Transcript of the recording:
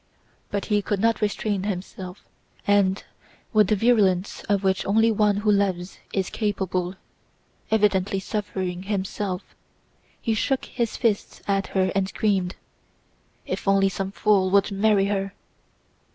But he could not restrain himself and with the virulence of which only one who loves is capable, evidently suffering himself, he shook his fists at her and screamed: "If only some fool would marry her!"